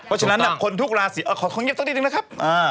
เพราะฉะนั้นคนทุกราศีขอเงียบสักนิดนึงนะครับ